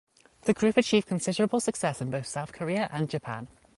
The group achieved considerable success in both South Korea and Japan.